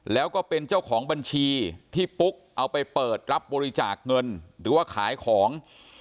แล้วก็เป็นเจ้าของบัญชีที่ปุ๊กเอาไปเปิดรับบริจาคเงินหรือว่าขายของ